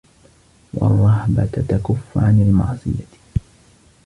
وَالرَّهْبَةَ تَكُفُّ عَنْ الْمَعْصِيَةِ